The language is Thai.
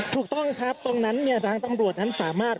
ถูกต้องครับตรงนั้นเนี่ยทางตำรวจนั้นสามารถ